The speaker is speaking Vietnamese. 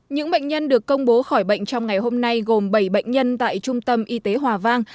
những bệnh nhân được công bố khỏi bệnh trong ngày hôm nay gồm bảy bệnh nhân tại trung tâm y tế hòa vang